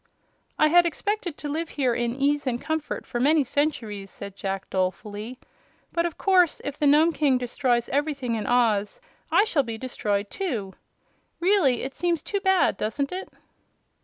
"I had expected to live here in ease and comfort for many centuries," said Jack, dolefully; "but of course if the Nome King destroys everything in Oz I shall be destroyed too. Really, it seems too bad, doesn't it?"